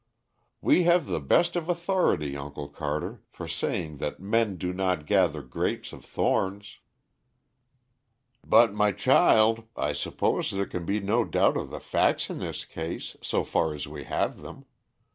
"We have the best of authority, Uncle Carter, for saying that 'men do not gather grapes of thorns!'" "But, my child, I suppose there can be no doubt of the facts in this case, so far as we have them.